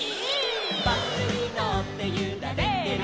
「バスにのってゆられてる」せの！